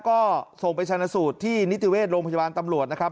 ก็ส่งไปชนะสูตรที่นิติเวชโรงพยาบาลตำรวจนะครับ